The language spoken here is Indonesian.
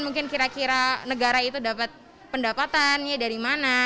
mungkin kira kira negara itu dapat pendapatannya dari mana